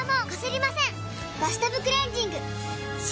「バスタブクレンジング」！